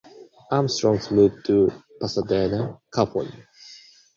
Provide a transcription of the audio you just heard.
Armstrong moved to Pasadena, California.